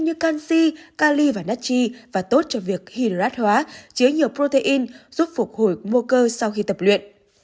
như canxi cali và natchi và tốt cho việc hydrat hóa chứa nhiều protein giúp phục hồi mô cơ sau khi tập luyện